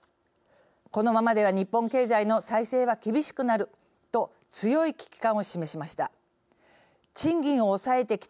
このままでは日本経済の再生は厳しくなると、強い危機感を示しました。